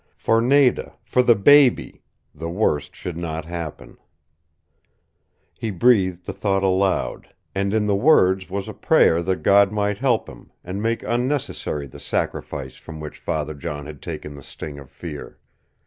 For Nada for THE BABY the worst should not happen; he breathed the thought aloud, and in the words was a prayer that God might help him, and make unnecessary the sacrifice from which Father John had taken the sting of fear.